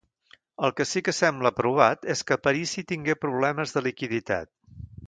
El que sí que sembla provat és que Aparici tingué problemes de liquiditat.